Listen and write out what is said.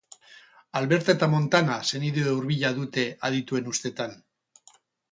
Alberta eta Montana senide hurbila dute adituen ustetan.